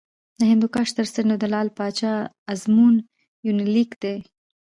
د هندوکش تر څنډو د لعل پاچا ازمون یونلیک دی